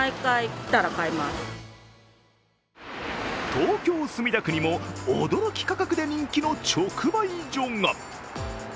東京・墨田区にも驚き価格で人気の直売所が。